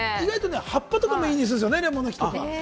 葉っぱとかもいいんですよね、レモンの木。